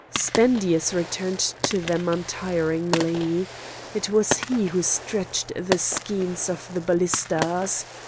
Spendius returned to them untiringly. It was he who stretched the skeins of the ballistas.